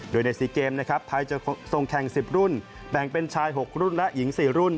โดยใน๔เกมนะครับไทยจะส่งแข่ง๑๐รุ่นแบ่งเป็นชาย๖รุ่นและหญิง๔รุ่น